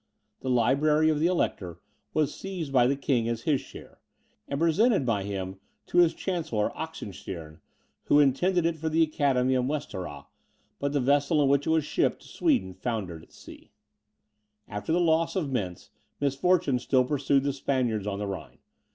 The library of the Elector was seized by the king as his share, and presented by him to his chancellor, Oxenstiern, who intended it for the Academy of Westerrah, but the vessel in which it was shipped to Sweden foundered at sea. After the loss of Mentz, misfortune still pursued the Spaniards on the Rhine.